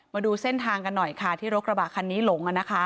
มาดูเส้นทางกันหน่อยค่ะที่รถกระบะคันนี้หลง